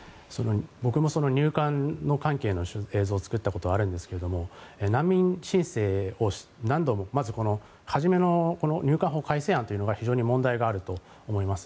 僕も入管関係の映像を作ったことがあるんですが初めのこの入管法改正案というのが非常に問題があると思います。